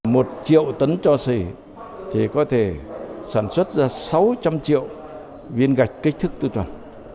một triệu tấn cho xỉ thì có thể sản xuất ra sáu trăm linh triệu viên gạch kích thức tư toàn